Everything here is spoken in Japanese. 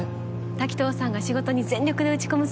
滝藤さんが仕事に全力で打ち込む姿